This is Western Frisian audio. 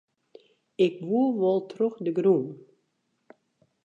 Ik woe wol troch de grûn.